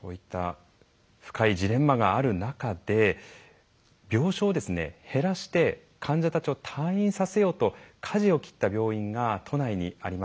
そういった深いジレンマがある中で病床を減らして患者たちを退院させようとかじを切った病院が都内にあります。